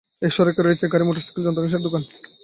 এই সড়কে রয়েছে গাড়ি ও মোটরসাইকেলের যন্ত্রাংশের দোকান।